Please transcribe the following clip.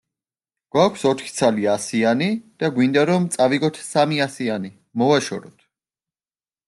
გვაქვს ოთხი ცალი ასიანი და გვინდა რომ წავიღოთ სამი ასიანი, მოვაშოროთ.